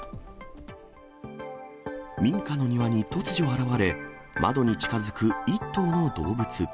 民家の庭に突如現れ、窓に近づく１頭の動物。